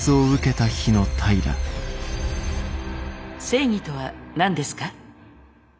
正義とは何ですか？